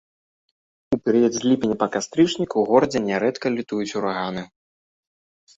У перыяд з ліпеня па кастрычнік у горадзе нярэдка лютуюць ураганы.